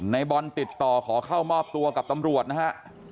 ในบอลติดต่อขอเข้ามอบตัวกับตำรวจนะฮะ